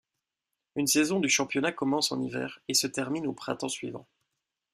Une saison du championnat commence en hiver et se termine au printemps suivant.